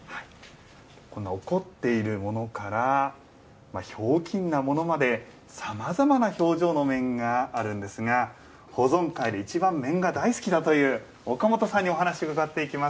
この怒っているものからひょうきんなものまでさまざまな表情の面があるんですが保存会で一番面が大好きだという岡本さんにお話を伺っていきます。